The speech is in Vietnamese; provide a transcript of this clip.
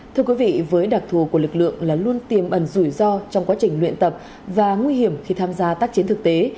thưa quý vị với đặc thù của lực lượng là luôn tiềm ẩn rủi ro trong quá trình luyện tập và nguy hiểm khi tham gia tác chiến thực tế